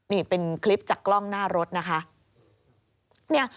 นี่เป็นคลิปจากกล้องหน้ารถนะคะ